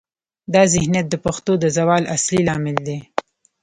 دا ذهنیت د پښتو د زوال اصلي لامل دی.